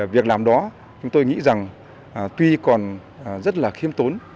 việc làm đó chúng tôi nghĩ rằng tuy còn rất là khiêm tốn